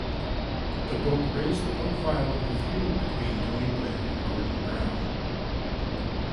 The book raised the profile of the feud between Tony Blair and Gordon Brown.